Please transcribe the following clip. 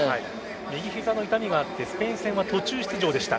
右膝の痛みがあってスペイン戦は途中出場でした。